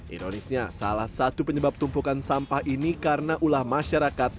ironisnya salah satu penyebab tumpukan sampah ini karena ulah masyarakat